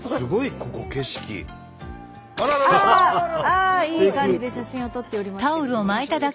ああいい感じで写真を撮っておりますけれどもね。